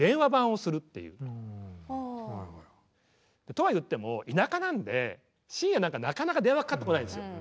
とはいっても田舎なんで深夜なんかなかなか電話かかってこないんすよ。